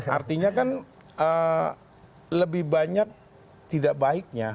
artinya kan lebih banyak tidak baiknya